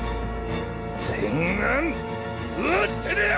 全軍討って出よ！